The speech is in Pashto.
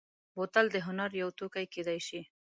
بوتل د هنر یو توکی کېدای شي.